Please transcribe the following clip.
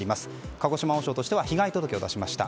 鹿児島王将としては被害届を提出しました。